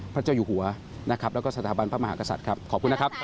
พระเจ้าอยู่หัวนะครับแล้วก็สถาบันพระมหากษัตริย์ครับขอบคุณนะครับ